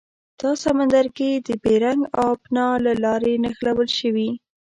دا سمندرګي د بیرنګ ابنا له لارې نښلول شوي.